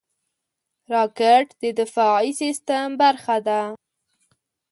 راکټ د دفاعي سیستم برخه ده